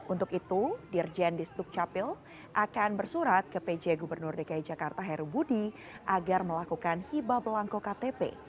untuk itu dirjen di sdukcapil akan bersurat ke pj gubernur dki jakarta heru budi agar melakukan hibah belangko ktp